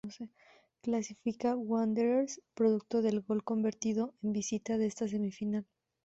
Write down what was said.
Clasifica Wanderers producto del gol convertido de visita en esta semifinal.